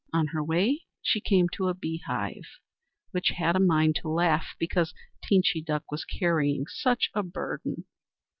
On her way she came to a Bee Hive, which had a mind to laugh because Teenchy Duck was carrying such a burden.